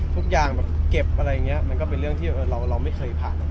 ทุกอย่างเก็บอะไรเงี้ยมันก็เป็นเรื่องที่เราไม่เคยผ่านละคร